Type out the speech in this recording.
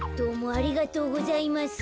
ありがとうございます。